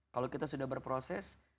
kalau kita sudah berproses